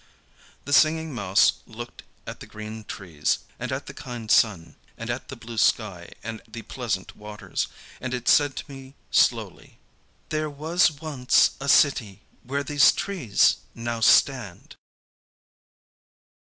The Singing Mouse looked at the green trees, and at the kind sun, and at the blue sky and the pleasant waters, and it said to me slowly: "There was once a city where these trees now stand."